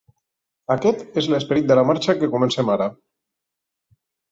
Aquest és l’esperit de la marxa que comencem ara.